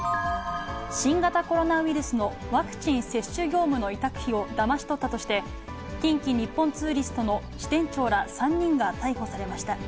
新型コロナウイルスのワクチン接種業務の委託費をだまし取ったとして、近畿日本ツーリストの支店長ら３人が逮捕されました。